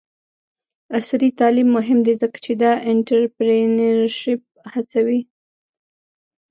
عصري تعلیم مهم دی ځکه چې د انټرپرینرشپ هڅوي.